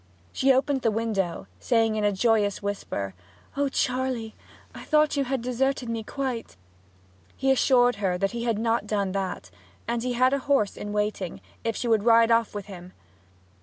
She opened the window, saying in a joyous whisper, 'Oh Charley; I thought you had deserted me quite!' He assured her he had not done that, and that he had a horse in waiting, if she would ride off with him.